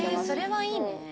それはいいね。